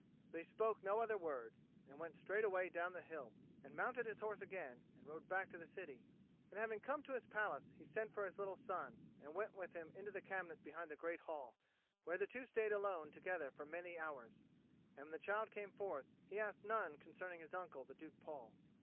But he spoke no other word, and went straightway down the hill, and mounted his horse again, and rode back to the city; and, having come to his palace, he sent for his little son, and went with him into the cabinet behind the great hall, where the two stayed alone together for many hours. And when the child came forth, he asked none concerning his uncle the Duke Paul.